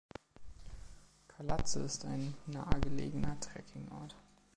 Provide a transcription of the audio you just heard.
Khalatse ist ein nahe gelegener Trekkingort.